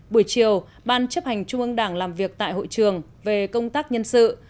buổi chiều ban chấp hành trung ương đảng làm việc tại hội trường về công tác nhân sự